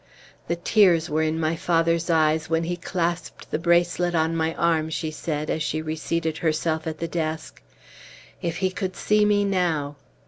"The tears were in my father's eyes when he clapsed the bracelet on my arm," she said, as she reseated herself at the desk. "If he could see me now!"